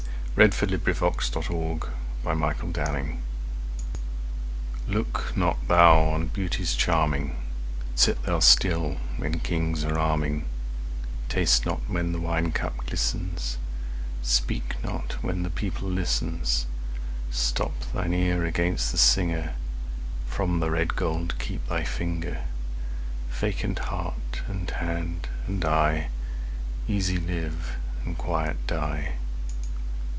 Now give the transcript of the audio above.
1771–1832 544. Lucy Ashton's Song LOOK not thou on beauty's charming; Sit thou still when kings are arming; Taste not when the wine cup glistens; Speak not when the people listens; Stop thine ear against the singer; 5 From the red gold keep thy finger; Vacant heart and hand and eye, Easy live and quiet die.